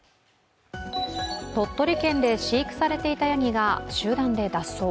鳥取県で飼育されていたやぎが集団で脱走。